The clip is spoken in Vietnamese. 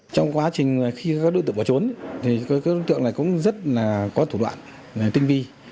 trong quá trình khi các đối tượng bỏ trốn thì các đối tượng này cũng rất là có thủ đoạn tinh vi